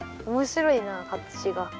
おもしろいな形が。